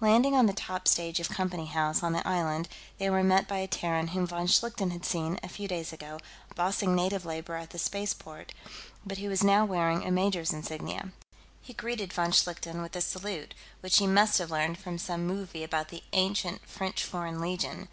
Landing on the top stage of Company House, on the island, they were met by a Terran whom von Schlichten had seen, a few days ago, bossing native labor at the spaceport, but who was now wearing a major's insignia. He greeted von Schlichten with a salute which he must have learned from some movie about the ancient French Foreign Legion.